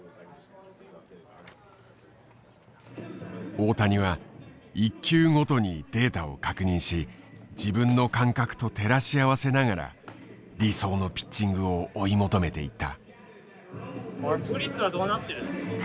大谷は１球ごとにデータを確認し自分の感覚と照らし合わせながら理想のピッチングを追い求めていった。